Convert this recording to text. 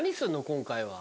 今回は。